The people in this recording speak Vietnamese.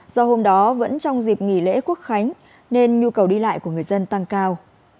do hôm đó vẫn trong dịp nghỉ lễ quốc khánh nên nhu cầu đi lại của người dân tăng cao